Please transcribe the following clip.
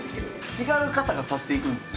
違う方が指していくんですね